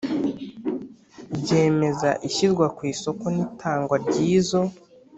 byemeza ishyirwa ku isoko n’itangwa ry’izo